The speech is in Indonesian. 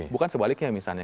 bukan sebaliknya misalnya